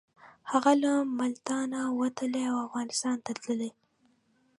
هغه له ملتانه وتلی او افغانستان ته تللی.